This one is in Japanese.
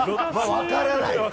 わからない。